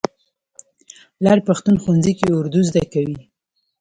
لر پښتون ښوونځي کې اردو زده کوي.